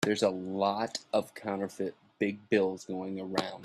There's a lot of counterfeit big bills going around.